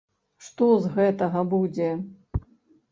Што з гэтага будзе?